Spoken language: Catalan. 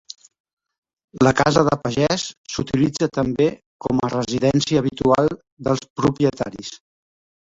La casa de pagés s'utilitza també com a residència habitual dels propietaris.